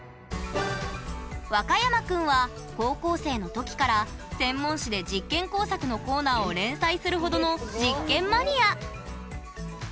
ワカヤマくんは高校生の時から専門誌で実験工作のコーナーを連載するほどの実験マニア。